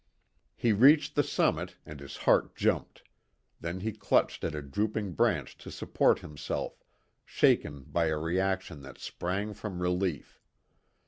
He reached the summit and his heart jumped; then he clutched at a drooping branch to support himself, shaken by a reaction that sprang from relief.